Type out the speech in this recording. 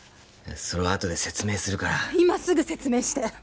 それはあとで説明するから今すぐ説明して！